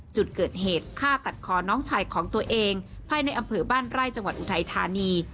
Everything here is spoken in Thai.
จุดเกิดเหตุฆ่าตัดคอน้องชายของตัวเองภายในอำเภอบ้านไร่จังหวัดอุทัยธานี